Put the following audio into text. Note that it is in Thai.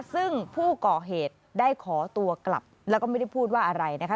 ซึ่งผู้ก่อเหตุได้ขอตัวกลับแล้วก็ไม่ได้พูดว่าอะไรนะคะ